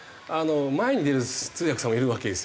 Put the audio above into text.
前に出る通訳さんもいるわけですよ。